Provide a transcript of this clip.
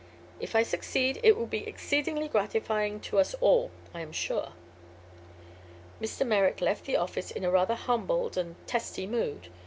If I succeed it will be exceedingly gratifying to us all, I am sure." Mr. Merrick left the office in a rather humbled and testy mood.